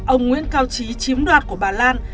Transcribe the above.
ông nguyễn cao trí chiếm đoạt của bà lan